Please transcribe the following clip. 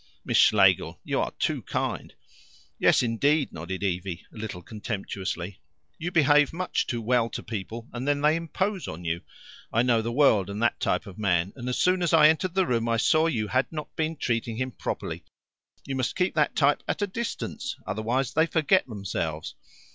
"Miss Schlegel, you are too kind." "Yes, indeed," nodded Evie, a little contemptuously. "You behave much too well to people, and then they impose on you. I know the world and that type of man, and as soon as I entered the room I saw you had not been treating him properly. You must keep that type at a distance. Otherwise they forget themselves.